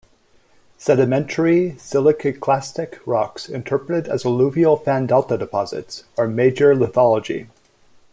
Sedimentary siliciclastic rocks, interpreted as alluvial fan-delta deposits, are the major lithology.